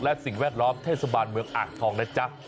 และสิ่งแวดล้อมเทศบาลเมืองอ่างทองนะจ๊ะ